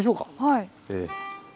はい。